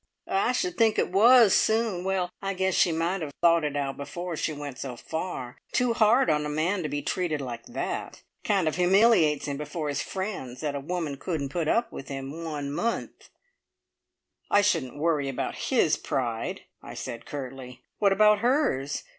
"I should think it was soon! Well, I guess she might have thought it out before she went so far. Too hard on a man to be treated like that. Kind of humiliates him before his friends, that a woman couldn't put up with him one month " "I shouldn't worry about his pride," I said curtly. "What about hers?